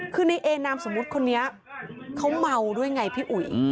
คือในเอนามสมมุติคนนี้เขาเมาด้วยไงพี่อุ๋ย